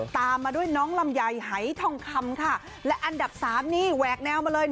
ตามมาด้วยน้องลำไยหายทองคำค่ะและอันดับสามนี่แหวกแนวมาเลย